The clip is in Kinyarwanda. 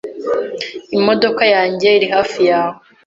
Imodoka yanjye iri hafi yawe.